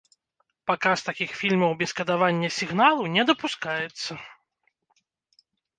Паказ такіх фільмаў без кадавання сігналу не дапускаецца.